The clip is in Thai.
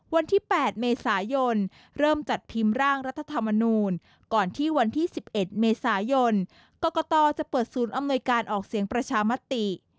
วันที่๘เมษายนเริ่มจัดพิมพ์ร่างรัฐธรรมนูลก่อนที่วันที่๑๑เมษายนกรกตจะเปิดศูนย์อำนวยการออกเสียงประชามติ